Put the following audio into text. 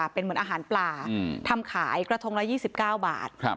เป็นเหมือนอาหารปลาทำขายกระทงละ๒๙บาท